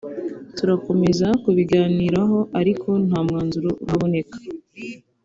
turakomeza kubiganiraho ariko nta mwanzuro uraboneka